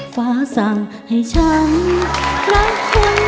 ฟ้าสั่งให้ฉันรักกับความรักของเธอ